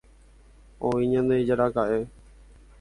Oĩndajeraka'e.